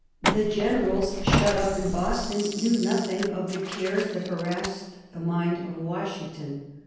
The generals shut up in Boston knew nothing of the cares that harassed the mind of Washington.